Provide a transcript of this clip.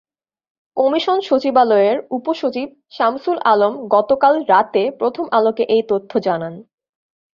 Commission সচিবালয়ের উপসচিব শামসুল আলম গতকাল রাতে প্রথম আলোকে এই তথ্য জানান।